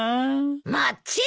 もっちろん！